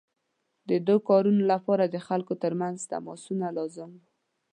د دې کارونو لپاره د خلکو ترمنځ تماسونه لازم وو.